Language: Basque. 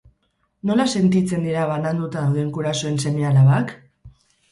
Nola sentitzen dira bananduta dauden gurasoen seme-alabak?